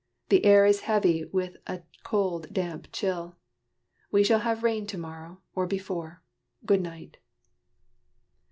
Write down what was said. The air is heavy with a cold damp chill. We shall have rain to morrow, or before. Good night."